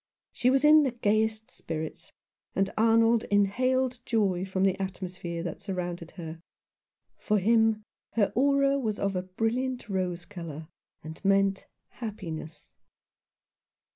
She was in the gayest spirits, and Arnold inhaled joy from the atmosphere that surrounded her. For him her "aura" was of a brilliant rose colour, and meant happiness.